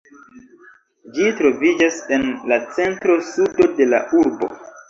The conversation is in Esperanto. Ĝi troviĝas en la centro-sudo de la urbo.